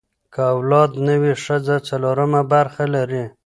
که اولاد نه وي، ښځه څلورمه برخه لري.